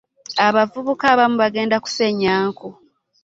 Abavubuka abamu bagende basennye enku.